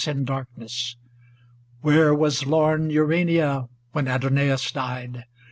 In darkness ? where was lorn Urania When Adonais died